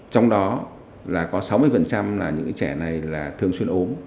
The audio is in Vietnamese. trong đó là có sáu mươi là những trẻ này là thường xuyên ốm